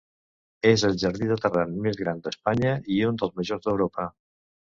És el jardí de terrat més gran d'Espanya i un dels majors d'Europa.